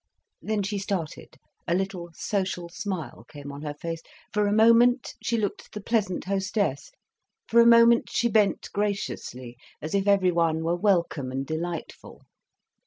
Then she started, a little social smile came on her face, for a moment she looked the pleasant hostess. For a moment she bent graciously, as if everyone were welcome and delightful.